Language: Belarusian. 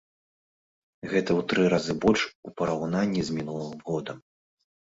Гэта ў тры разы больш у параўнанні з мінулым годам.